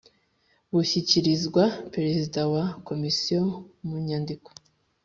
bushyikirizwa perezida wa komisiyo mu nyandiko